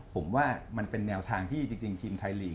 ผมว่ามันเป็นแนวทางที่จริงทีมไทยลีก